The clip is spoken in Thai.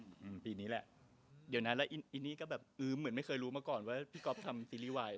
อืมปีนี้แหละเดี๋ยวนั้นแล้วอินอีนี่ก็แบบเออเหมือนไม่เคยรู้มาก่อนว่าพี่ก๊อฟทำซีรีส์วาย